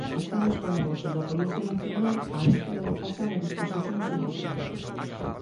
Está nos calabozos da Policía Nacional á espera de pasar a disposición xudicial.